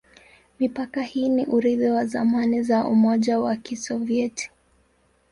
Mipaka hii ni urithi wa zamani za Umoja wa Kisovyeti.